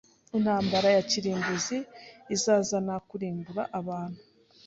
Intambara ya kirimbuzi izazana kurimbura abantu.